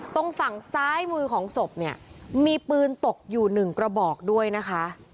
ตรงฝั่งซ้ายมือของศพเนี่ยมีปืนตกอยู่หนึ่งกระบอกด้วยนะคะ